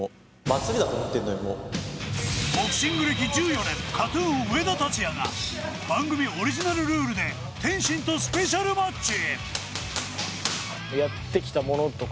ボクシング歴１４年、ＫＡＴ−ＴＵＮ・上田竜也が番組オリジナルルールで天心とスペシャルマッチ。